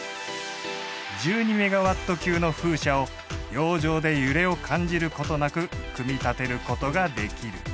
１２メガワット級の風車を洋上で揺れを感じることなく組み立てることができる。